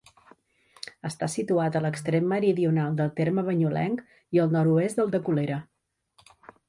Està situat a l'extrem meridional del terme banyulenc i al nord-oest del de Colera.